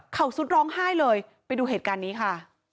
เขาสุดร้องไห้เลยไปดูเหตุการณ์นี้ค่ะ